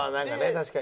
確かに。